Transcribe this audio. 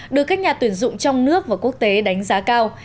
được các nhà tuyển dụng trong nước và quốc tế đánh giá cao